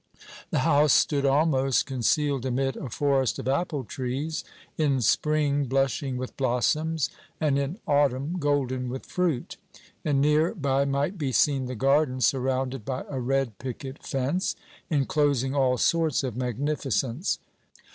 The house stood almost concealed amid a forest of apple trees, in spring blushing with blossoms, and in autumn golden with fruit. And near by might be seen the garden, surrounded by a red picket fence, enclosing all sorts of magnificence.